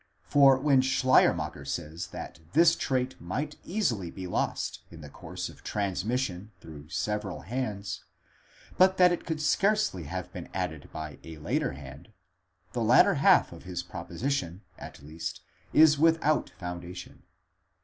For when Schleiermacher says that this trait might easily be lost in the course of transmission through several hands, but that it could scarcely have been added by a later hand,—the latter half of his pro position, at least, is without foundation.